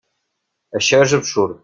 Això és absurd.